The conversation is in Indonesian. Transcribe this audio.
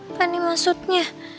apa nih maksudnya